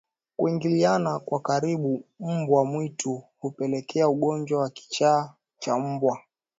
Kuingiliana kwa karibu kwa mbwa mwitu hupelekea ugonjwa wa kichaa cha mbwa